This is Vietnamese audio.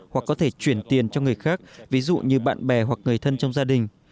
hoặc có thể chuyển tiền cho người khác ví dụ như bạn bè hoặc người thân trong gia đình